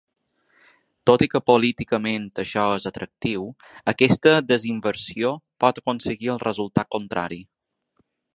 Tot i que políticament això és atractiu, aquesta desinversió pot aconseguir el resultat contrari.